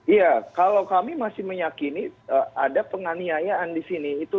iya kalau kami masih meyakini ada penganiayaan di sini